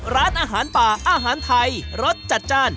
ร้านอาหารป่าอาหารไทยรสจัดจ้าน